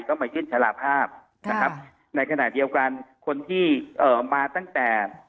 ก็มายื่นชาลภาพในขณะเดียวกันคนที่มาตั้งแต่